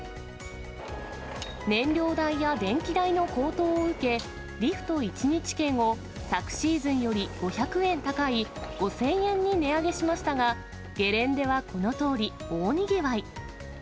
燃料代や電気代の高騰を受け、リフト１日券を、昨シーズンより５００円高い５０００円に値上げしましたが、ゲレンデはこのとおり、大にぎわい。